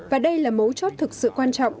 và đây là mấu chốt thực sự quan trọng